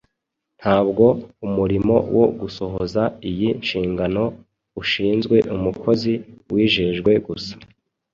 Ntabwo umurimo wo gusohoza iyi nshingano ushinzwe umukozi wejejwe gusa.